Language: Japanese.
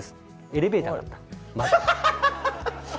エレベーターがあった。